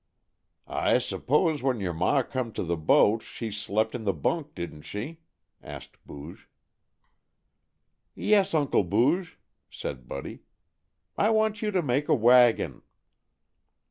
"I suppose, when your ma come to the boat, she slept in the bunk, didn't she?" asked Booge. "Yes, Uncle Booge," said Buddy. "I want you to make a wagon."